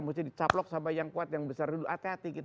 mesti dicaplok sama yang kuat yang besar dulu hati hati